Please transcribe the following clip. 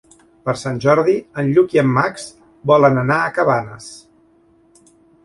Per Sant Jordi en Lluc i en Max volen anar a Cabanes.